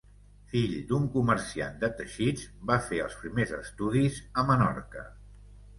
Fill d'un comerciant de teixits, va fer els primers estudis a Menorca.